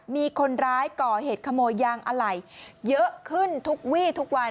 มีคนร้ายก่อเหตุขโมยยางอะไหล่เยอะขึ้นทุกวี่ทุกวัน